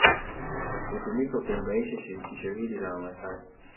Htumika kuunganisha shirikisho hili la Wamaasai